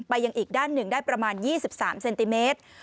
ยังอีกด้านหนึ่งได้ประมาณ๒๓เซนติเมตร